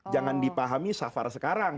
jangan dipahami safar sekarang